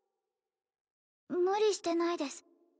無理してないです